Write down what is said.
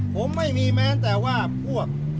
ผมไม่มีแม้แต่ว่าพวก